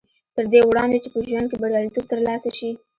تر دې وړاندې چې په ژوند کې برياليتوب تر لاسه شي.